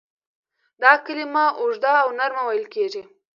دا کلمه اوږده او نرمه ویل کیږي.